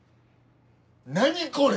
何これ！